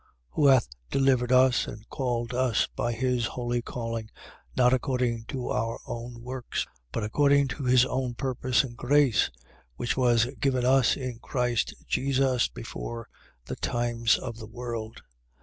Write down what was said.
1:9. Who hath delivered us and called us by his holy calling, not according to our own works, but according to his own purpose and grace, which was given us in Christ Jesus before the times of the world: 1:10.